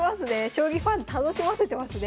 将棋ファン楽しませてますね